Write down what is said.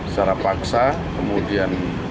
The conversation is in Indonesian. secara paksa kemudian